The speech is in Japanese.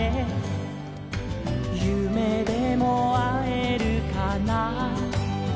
「ゆめでもあえるかな」